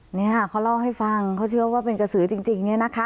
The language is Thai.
เนี่ยเขาเล่าให้ฟังเขาเชื่อว่าเป็นกระสือจริงเนี่ยนะคะ